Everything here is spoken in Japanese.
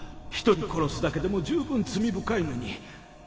一人殺すだけでも十分罪深いのに